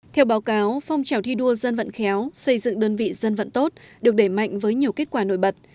theo báo cáo phong trào thi đua dân vận khéo xây dựng đơn vị dân vận tốt được để mạnh với nhiều kết quả nổi bật